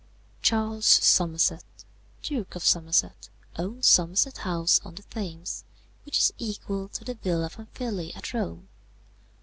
"Charles Somerset, Duke of Somerset, owns Somerset House on the Thames, which is equal to the Villa Pamphili at Rome.